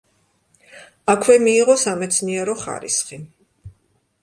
აქვე მიიღო სამეცნიერო ხარისხი.